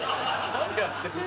何やってんの？